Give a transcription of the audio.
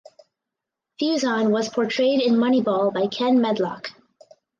Fuson was portrayed in "Moneyball" by Ken Medlock.